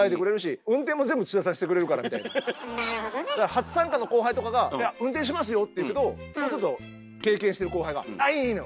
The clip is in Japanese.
初参加の後輩とかが「いや運転しますよ」って言うけどそうすると経験してる後輩が「あっいいの」